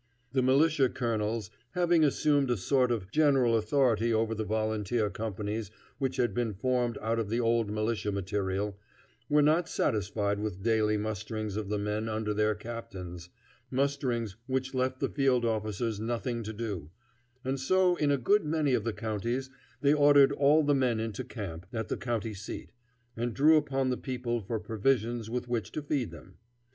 The militia colonels, having assumed a sort of general authority over the volunteer companies which had been formed out of the old militia material, were not satisfied with daily musterings of the men under their captains, musterings which left the field officers nothing to do, and so in a good many of the counties they ordered all the men into camp at the county seat, and drew upon the people for provisions with which to feed them.